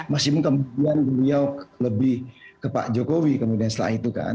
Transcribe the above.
meskipun kemudian beliau lebih ke pak jokowi kemudian setelah itu kan